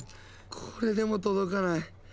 これでも届かない。